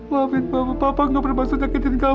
maafin papa papa gak bermaksud jangkitan kamu